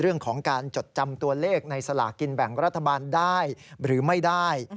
เรื่องของการจดจำตัวเลขในสลากินแบ่งรัฐบาลได้หรือไม่ได้